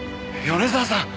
米沢さん！